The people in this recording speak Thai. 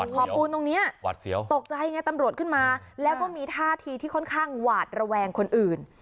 ขอบปูนตรงนี้หวาดเสียวตกใจไงตำรวจขึ้นมาแล้วก็มีท่าทีที่ค่อนข้างหวาดระแวงคนอื่น